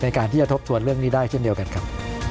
การที่จะทบทวนเรื่องนี้ได้เช่นเดียวกันครับ